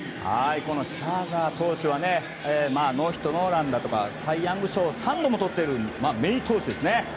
シャーザー投手はノーヒットノーランだとかサイ・ヤング賞を３度もとっている名投手ですね。